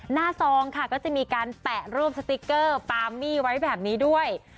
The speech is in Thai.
ซองค่ะก็จะมีการแปะรูปสติ๊กเกอร์ปาร์มี่ไว้แบบนี้ด้วย